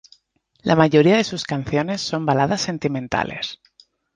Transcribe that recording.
La mayoría de sus canciones son baladas sentimentales.